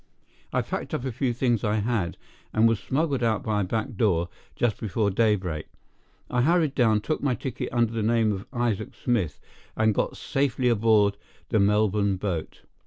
I packed up the few things I had, and was smuggled out by a back door, just before daybreak. I hurried down, took my ticket under the name of Isaac Smith, and got safely aboard the Melbourne boat.